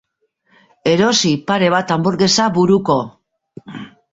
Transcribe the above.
Erosi pare bat hanburgesa buruko.